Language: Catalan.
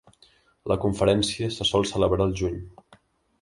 La conferència se sol celebrar al juny.